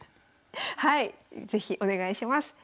はい是非お願いします。